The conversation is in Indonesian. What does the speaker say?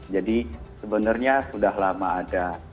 jadi sebenarnya sudah lama ada